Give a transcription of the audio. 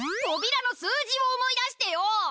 とびらの数字を思い出してよ！